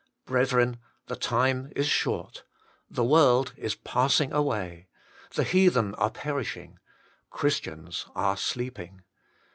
' Brethren ! the time is short. The world is passing away. The heathen are perishing. Christians are sleeping.